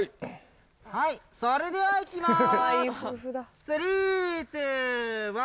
それではいきます。